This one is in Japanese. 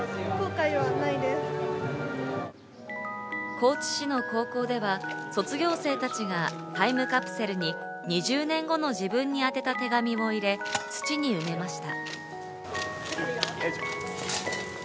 高知市の高校では卒業生たちがタイムカプセルに２０年後の自分に宛てた手紙を入れ、土に埋めました。